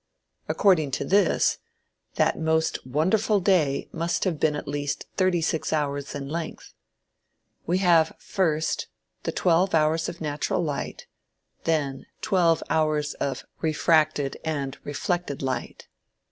According to this, that most wonderful day must have been at least thirty six hours in length. We have first, the twelve hours of natural light, then twelve hours of "refracted and reflected" light.